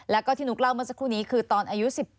แล้วก็ที่นุ๊กเล่าเมื่อสักครู่นี้คือตอนอายุ๑๘